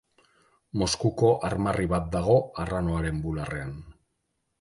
Moskuko armarri bat dago arranoaren bularrean.